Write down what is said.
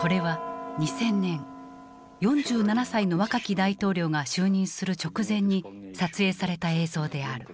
これは２０００年４７歳の若き大統領が就任する直前に撮影された映像である。